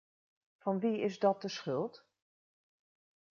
Van wie is dat de schuld?